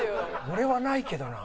俺はないけどな。